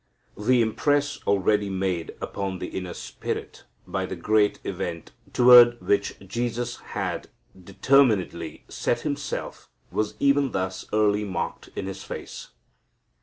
The impress already made upon the inner spirit by the great event toward which Jesus had determinedly set Himself was even thus early marked in His face.